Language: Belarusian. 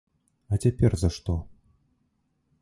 А цяпер за што?